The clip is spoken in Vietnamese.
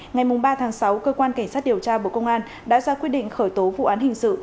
ngày ba sáu cơ quan cảnh sát điều tra bộ công an đã ra quyết định khởi tố vụ án hình sự